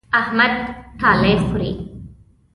احمد اټالۍ خوري.